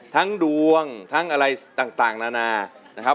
ทั้งดวงทั้งอะไรต่างนานา